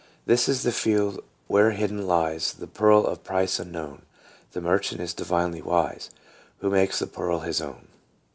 "This is the field where hidden lies The pearl of price unknown ; The merchant is divinely wise Who makes the pearl his own."